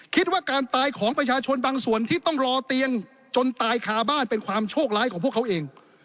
คิดว่าการตายของประชาชนบางส่วนที่ต้องรอเตียงจนตายคาบ้านเป็นความโชคร้ายของพวกเขาเอง